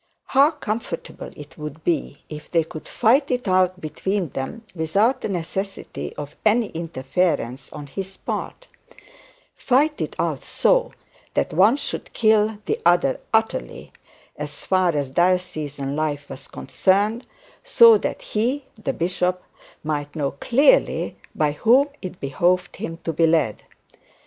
How comfortable it would be if they could fight it out between them without the necessity of any interference on his part; fight it out so that one should kill the other utterly, as far as the diocesan life was concerned, so that he, the bishop, might know clearly by whom it behoved him to be led.